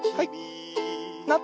はい。